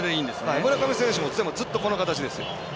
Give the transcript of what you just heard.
村上選手もずっとこの形ですよ。